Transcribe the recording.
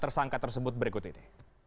tersangka tersebut berikut ini